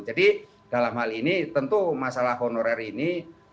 jadi dalam hal ini tentu masalah honorer ini